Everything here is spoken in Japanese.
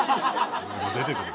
出てくる。